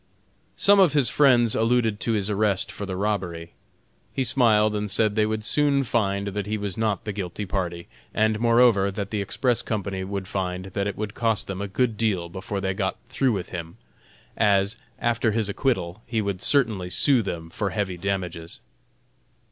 Some of his friends alluded to his arrest for the robbery. He smiled, and said they would soon find that he was not the guilty party; and moreover, that the Express Company would find that it would cost them a good deal before they got through with him, as, after his acquittal, he would certainly sue them for heavy damages.